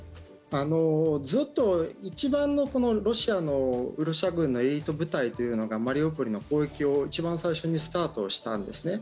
ずっと一番のロシアのエリート部隊というのがマリウポリの攻撃を一番最初にスタートしたんですね。